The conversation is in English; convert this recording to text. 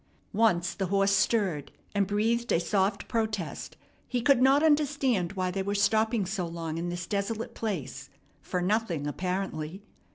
Once the horse stirred and breathed a soft protest. He could not understand why they were stopping so long in this desolate place, for nothing apparently.